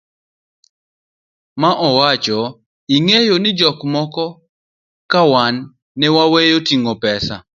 ma owacho, ing'eyo ni jok moko ka wan ne waweyo ting'o pesa